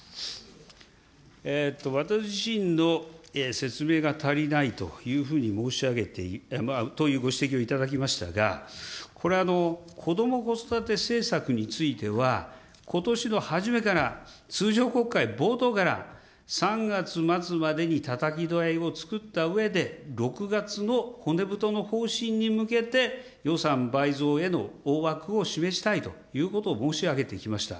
私自身の説明が足りないというふうに申し上げて、というご指摘をいただきましたが、これこども・子育て政策については、ことしの初めから、通常国会冒頭から、３月末までにたたき台を作ったうえで、６月の骨太の方針に向けて、予算倍増への大枠を示したいということを申し上げてきました。